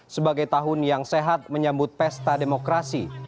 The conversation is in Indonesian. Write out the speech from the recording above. sebagai tahun yang sehat menyambut pesta demokrasi